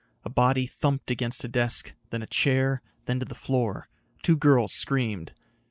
A body thumped against a desk, then a chair, then to the floor. Two girls screamed.